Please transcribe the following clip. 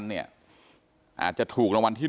แม่น้องชมพู่แม่น้องชมพู่